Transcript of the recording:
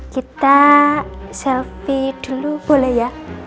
kita selfie dulu boleh ya